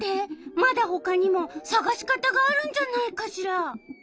まだほかにもさがし方があるんじゃないかしら。